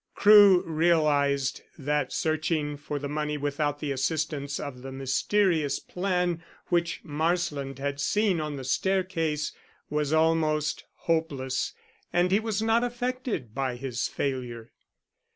Crewe realized that searching for the money without the assistance of the mysterious plan which Marsland had seen on the staircase was almost hopeless, and he was not affected by his failure.